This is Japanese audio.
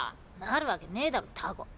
なるわけねえだろタコ。